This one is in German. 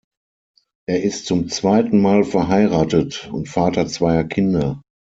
Er ist zum zweiten Mal verheiratet und Vater zweier Kinder.